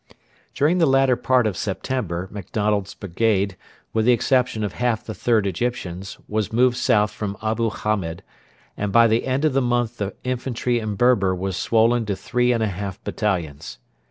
During the latter part of September MacDonald's brigade, with the exception of half the 3rd Egyptians, was moved south from Abu Hamed, and by the end of the month the infantry in Berber were swollen to three and a half battalions.